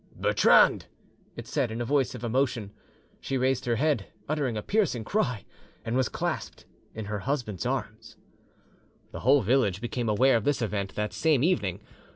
"Bertrande!" it said in a voice of emotion. She raised her head, uttered a piercing cry, and was clasped in her husband's arms. The whole village became aware of this event that same evening.